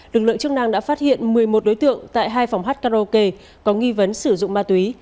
lực lượng chức năng đã phát hiện một mươi một đối tượng tại hai phòng hát karaoke có nghi vấn sử dụng ma túy